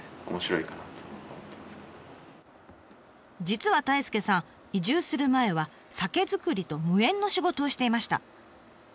実は太亮さん移住する前は酒造りと無縁の仕事をしていました。